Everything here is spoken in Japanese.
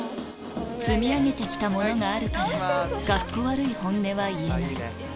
「積み上げて来たものがあるからカッコ悪い本音は言えない」